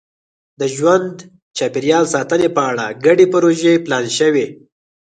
د ژوند چاپېریال ساتنې په اړه ګډې پروژې پلان شوي.